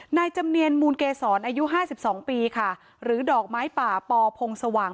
นายจำเนียนมูลเกษรอายุห้าสิบสองปีค่ะหรือดอกไม้ป่าปพงสว่าง